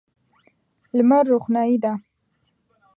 لمر روښنايي ده.